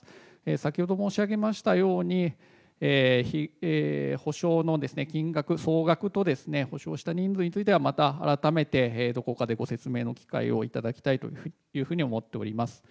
先ほど申し上げましたように、補償の金額、総額とですね、補償した人数については、また改めてどこかでご説明の機会をいただきたいというふうに思っております。